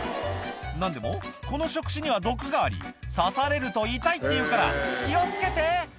何でもこの触手には毒があり刺されると痛いっていうから気を付けて！